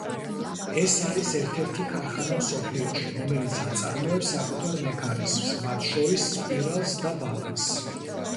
ეს არის ერთ-ერთი ქარხანა მსოფლიოში, რომელიც აწარმოებს საკუთარ მექანიზმს მათ შორის სპირალს და ბალანსს.